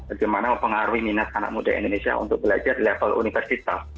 bagaimana mempengaruhi minat anak muda indonesia untuk belajar di level universitas